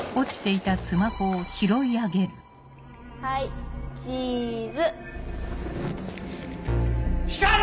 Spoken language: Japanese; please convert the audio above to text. はいチーズ光莉！